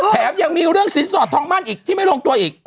แถมยังมีเรื่องสินสอดทองมั่นอีกที่ไม่ลงตัวอีก